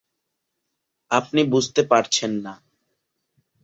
আপনি বুঝতে পারছেন না।